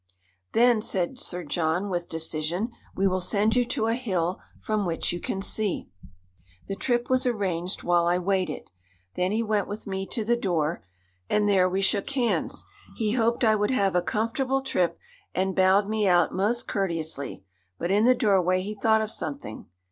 "Then," said Sir John with decision, "we will send you to a hill from which you can see." The trip was arranged while I waited. Then he went with me to the door and there we shook hands. He hoped I would have a comfortable trip, and bowed me out most courteously. But in the doorway he thought of something.